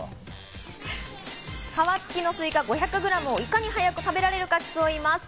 皮付きのスイカ、５００グラムをいかに早く食べられるかを競います。